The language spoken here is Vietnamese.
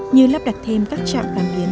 như lắp đặt thêm các trạm đàn kiến